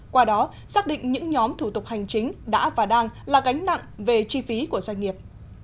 qua đó xác định những nhóm thủ tục hành chính đã và đang là gánh nặng về chi phí của doanh nghiệp